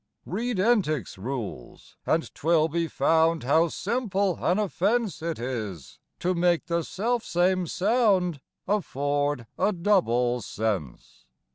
Read Entick's rules, and 'twill be found, how simple an offence It is to make the self same sound afford a double sense.